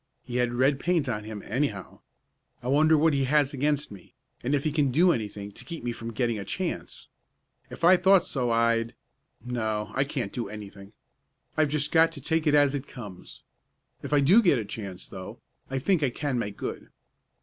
He had red paint on him, anyhow. I wonder what he has against me, and if he can do anything to keep me from getting a chance? If I thought so I'd no, I can't do anything. I've just got to take it as it comes. If I do get a chance, though, I think I can make good."